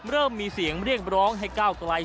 เริ่มมีเสียงเรียกร้องให้ก้าวไกล